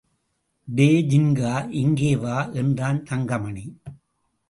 டேய் ஜின்கா இங்கே வா என்றான் தங்கமணி.